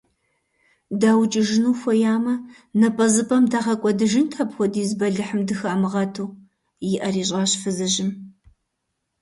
ДаукӀыжыну хуеямэ, напӀэзыпӀэм дагъэкӀуэдыжынт, апхуэдиз бэлыхьым дыхамыгъэту, – и Ӏэр ищӀащ фызыжьым.